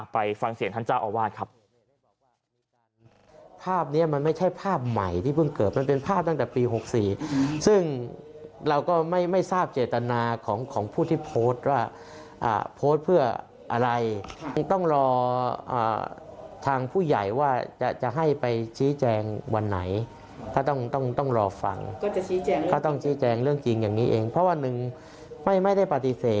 ไปฟังเสียงท่านเจ้าอาวาสครับ